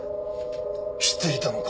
知っていたのか